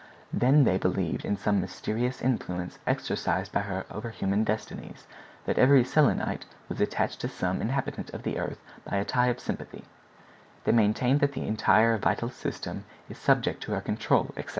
Then they believed in some mysterious influence exercised by her over human destinies—that every Selenite was attached to some inhabitant of the earth by a tie of sympathy; they maintained that the entire vital system is subject to her control, etc.